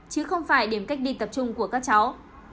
chứ không phải điểm cách ly tập trung của các cháu